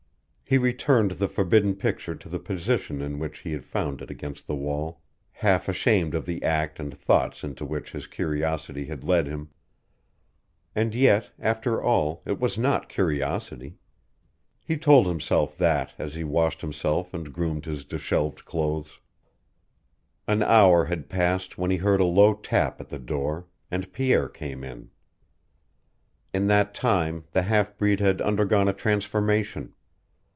He returned the forbidden picture to the position in which he had found it against the wall, half ashamed of the act and thoughts into which his curiosity had led him. And yet, after all, it was not curiosity. He told himself that as he washed himself and groomed his disheveled clothes. An hour had passed when he heard a low tap at the door, and Pierre came in. In that time the half breed had undergone a transformation.